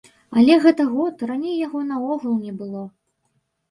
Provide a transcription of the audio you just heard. Але гэта год, раней яго наогул не было.